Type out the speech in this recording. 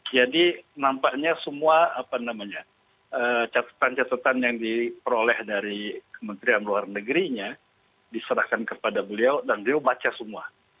jadi nampaknya semua catetan catetan yang diperoleh dari kementerian luar negerinya diserahkan kepada beliau dan beliau baca semua